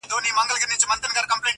چي د دفتر همكاران وايي راته,